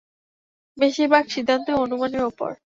বেশির ভাগ সিদ্ধান্তই অনুমানের ওপর।